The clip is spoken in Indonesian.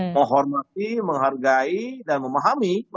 menghormati menghargai dan memahami